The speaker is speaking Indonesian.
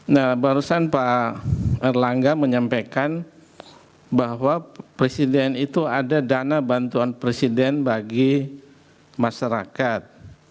nah barusan pak erlangga menyampaikan bahwa presiden itu ada dana bantuan presiden bagi masyarakat